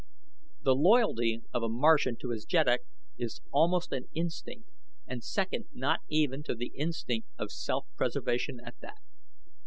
The loyalty of a Martian to his jeddak is almost an instinct, and second not even to the instinct of self preservation at that.